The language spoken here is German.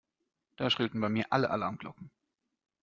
Da schrillten bei mir alle Alarmglocken.